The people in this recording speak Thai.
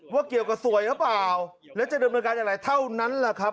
ว่าเกี่ยวกับสวยหรือเปล่าและจะเดินบริการอะไรเท่านั้นแหละครับ